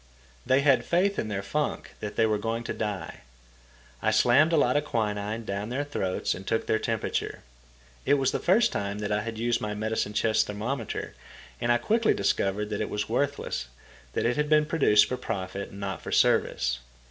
They had faith in their funk that they were going to die. I slammed a lot of quinine down their throats and took their temperature. It was the first time I had used my medicine chest thermometer, and I quickly discovered that it was worthless, that it had been produced for profit and not for service.